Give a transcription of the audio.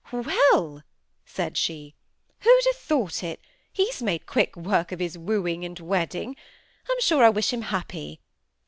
"Well!" said she, "who'd ha' thought it! He's made quick work of his wooing and wedding. I'm sure I wish him happy.